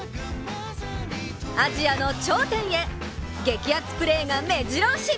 アジアの頂点へ、激熱プレーがめじろ押し！